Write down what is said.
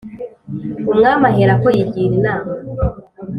Umwami aherako yigira inama